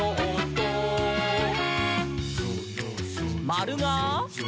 「まるが？」